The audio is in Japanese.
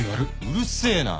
うるせえな。